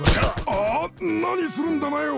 あ何するんだなよ！